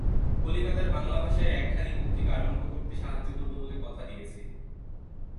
কলিকাতায় বাঙলা ভাষায় একখানি পত্রিকা আরম্ভ করতে সাহায্য করব বলে কথা দিয়েছি।